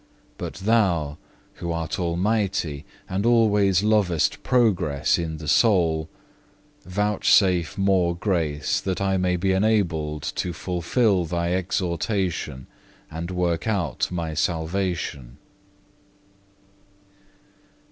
But Thou, Who art Almighty, and always lovest progress in the soul, vouchsafe more grace, that I may be enabled to fulfil Thy exhortation, and work out my salvation.